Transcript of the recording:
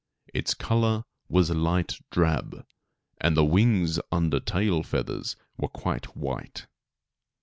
Its color was light drab, and the wings and under tail feathers were white.